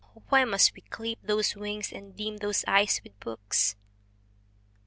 why must we clip those wings and dim those eyes with books?